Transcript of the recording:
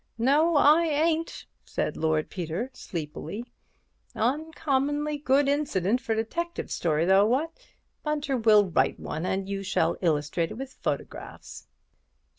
"No, I ain't," said Lord Peter, sleepily, "uncommon good incident for a detective story, though, what? Bunter, we'll write one, and you shall illustrate it with photographs."